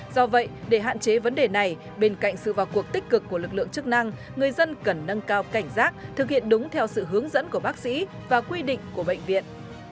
do vậy để hạn chế vấn đề này bên cạnh sự vào cuộc tích cực của lực lượng chức năng người dân cần nâng cao cảnh giác thực hiện đúng theo sự hướng dẫn của bác sĩ và quy định của bệnh viện